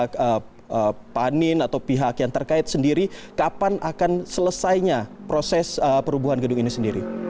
apakah sudah ada target dari pihak panin atau pihak yang terkait sendiri kapan akan selesainya proses perubahan gedung ini sendiri